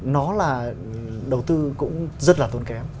nó là đầu tư cũng rất là tốn kém